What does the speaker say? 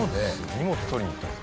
荷物取りに行ったんじゃ。